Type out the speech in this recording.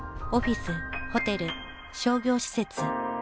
オフィスホテル商業施設。